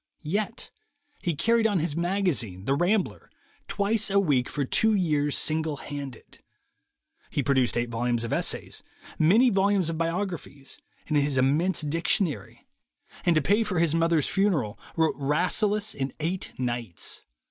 Yet he carried on his magazine, the Rambler, twice a week for two years single handed; he produced eight volumes of essays, many volumes of biographies, and his im mense Dictionary; and to pay for his mother's funeral, wrote Rasselas in eight nights.